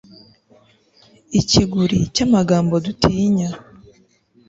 ikiguri cy'amagambo dutinya